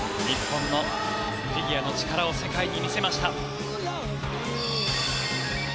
日本のフィギュアの力を世界に見せました。